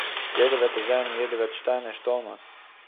יעדער וועט עס זען און יעדער וועט שטיין און שטוינען